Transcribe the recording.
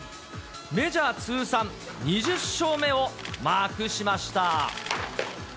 メジャー通算２０勝目をマークしました。